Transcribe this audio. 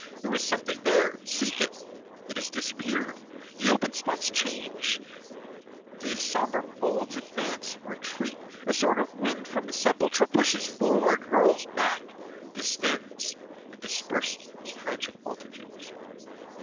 There was something there; seek it. It has disappeared; the open spots change place, the sombre folds advance and retreat, a sort of wind from the sepulchre pushes forward, hurls back, distends, and disperses these tragic multitudes.